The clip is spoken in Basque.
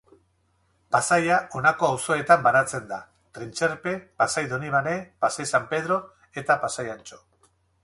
Pasaia honako auzoetan banatzen da: Trintxerpe, Pasai Donibane, Pasai San Pedro eta Pasai Antxo.